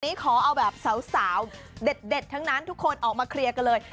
ขอเอาแบบสาวเด็ดทั้งนั้นทุกคนออกมาเคลียร์กันเลย